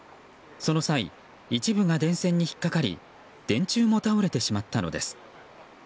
その際、一部が電線に引っかかり電柱も倒れてしまったのです。